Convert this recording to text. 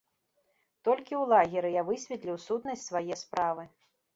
Толькі ў лагеры я высветліў сутнасць свае справы.